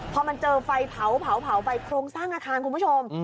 พอมันเจอไฟเผาไปโครงสร้างอาคารคุณผู้ชม